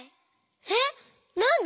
えっなんで？